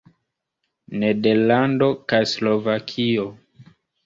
Nederlando kaj Slovakio.